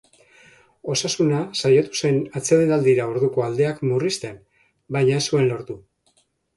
Osasuna, saiatu zen atsedenaldira orduko aldeak murrizten, baina ez zuen lortu.